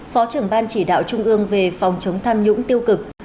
phó trưởng ban chỉ đạo trung ương về phòng chống tham nhũng tiêu cực